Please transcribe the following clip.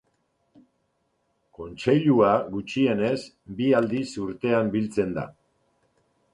Kontseilua gutxienez bi aldiz urtean biltzen da.